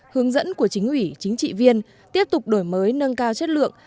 hướng dẫn của chính ủy chính trị viên tiếp tục đổi mới nâng cao chất lượng